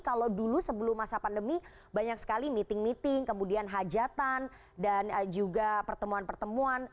kalau dulu sebelum masa pandemi banyak sekali meeting meeting kemudian hajatan dan juga pertemuan pertemuan